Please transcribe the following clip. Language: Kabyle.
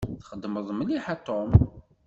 Txedmeḍ mliḥ a Tom.